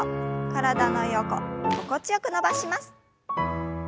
体の横心地よく伸ばします。